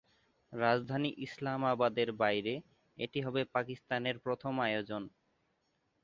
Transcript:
রাজধানী ইসলামাবাদের বাইরে এটি হবে পাকিস্তানের প্রথম আয়োজন।